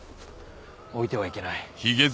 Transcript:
置いては行けない。